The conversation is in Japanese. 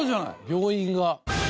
病院が。